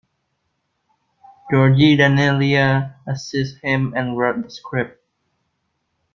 Georgi Daneliya assisted him and wrote the script.